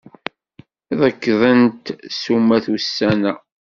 Rekdent ssumat ussan-a.